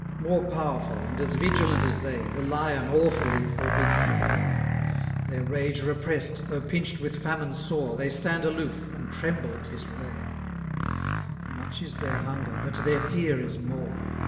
More powerful, and as vigilant as they, The Lion awfully forbids the prey. Their rage repress'd, though pinch'd with famine sore, They stand aloof, and tremble at his roar: Much is their hunger, but their fear is more.